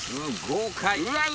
豪快。